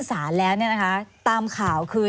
สารแล้วเนี่ยนะคะตามข่าวคือ